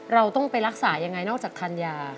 เราต้องไปรักษายังไงนอกจากทานยา